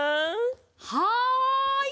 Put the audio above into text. はい！